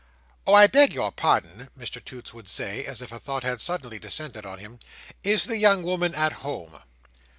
"Oh, I beg your pardon," Mr Toots would say, as if a thought had suddenly descended on him. "Is the young woman at home?"